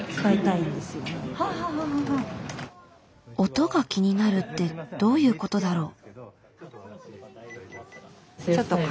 音が気になるってどういうことだろう？